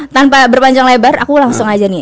tanpa berpanjang lebar aku langsung aja nih